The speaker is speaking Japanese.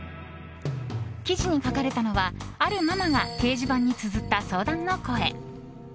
記事に書かれたのは、あるママが掲示板につづった相談の声。